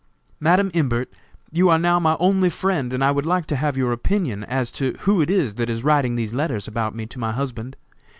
"Madam Imbert, you are now my only friend, and I would like to have your opinion as to who it is that is writing these letters about me to my husband.